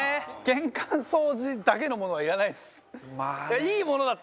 玄関掃除だけのものはいらないです。